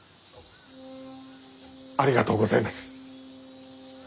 ありがとうございます。